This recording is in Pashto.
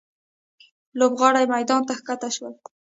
لوبغاړي میدان ته ښکته شول.